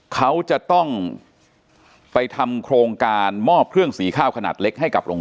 เขาจะต้องไปทำโครงการมอบเครื่องสีข้าวขนาดเล็กให้กับโรงเรียน